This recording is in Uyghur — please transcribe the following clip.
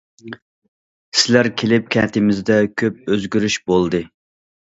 سىلەر كېلىپ كەنتىمىزدە كۆپ ئۆزگىرىش بولدى.